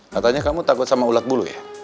katanya kamu takut sama ulat bulu ya